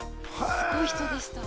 すごい人でした。